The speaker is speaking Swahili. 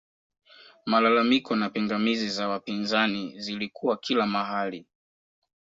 malalamiko na pingamizi za wapinzani zilikuwa kila mahali